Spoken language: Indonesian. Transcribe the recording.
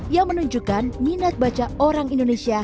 yang menunjukkan minat baca orang indonesia